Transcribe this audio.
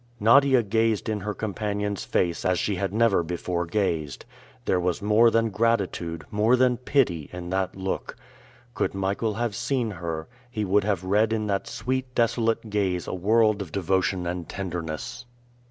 Nadia gazed in her companion's face as she had never before gazed. There was more than gratitude, more than pity, in that look. Could Michael have seen her, he would have read in that sweet desolate gaze a world of devotion and tenderness.